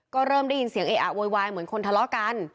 ก็เริ่มได้ยินเสียงเออะโวยวายเหมือนคนทะเลาะกัน